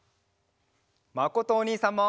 まことおにいさんも！